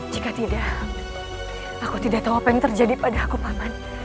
jika tidak aku tidak tahu apa yang terjadi pada aku paman